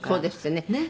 「ねえ」